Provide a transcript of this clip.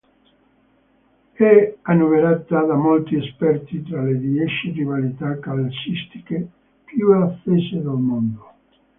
È annoverata da molti esperti tra le dieci rivalità calcistiche più accese del mondo.